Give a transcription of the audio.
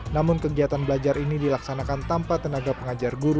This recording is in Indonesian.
namun kegiatan belajar ini dilaksanakan tanpa tenaga pengajar guru